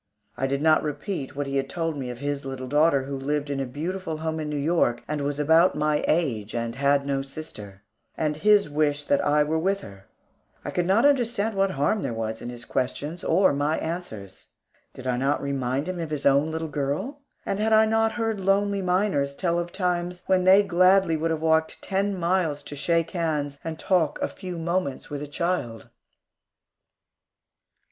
I did not repeat what he had told me of his little daughter, who lived in a beautiful home in New York, and was about my age, and had no sister; and his wish that I were there with her. I could not understand what harm there was in his questions or my answers. Did I not remind him of his own little girl? And had I not heard lonely miners tell of times when they gladly would have walked ten miles to shake hands and talk a few moments with a child?